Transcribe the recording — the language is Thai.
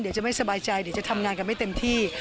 จะไม่สบายใจเดี๋ยวจะทำงานกันไม่เต็มที่